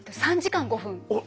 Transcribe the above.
３時間５分。